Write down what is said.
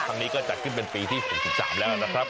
ครั้งนี้ก็จัดขึ้นเป็นปีที่๖๓แล้วนะครับ